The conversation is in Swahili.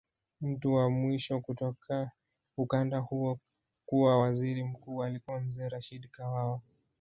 Mtu wa mwisho kutoka ukanda huo kuwa waziri mkuu alikuwa Mzee Rashid Kawawa